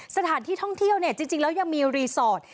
สถานที่ท่องเที่ยวเนี่ยจริงแล้วยังมีรีสอร์ท